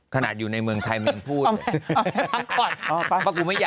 ขนาดอยู่ในเมืองไทยมันยังพูดเลย